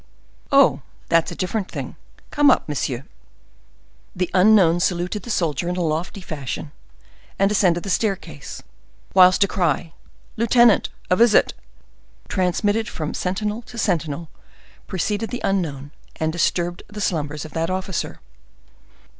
"Oh, that's a different thing. Come up, monsieur." The unknown saluted the soldier in a lofty fashion, and ascended the staircase; whilst a cry, "Lieutenant, a visit!" transmitted from sentinel to sentinel, preceded the unknown, and disturbed the slumbers of the officer.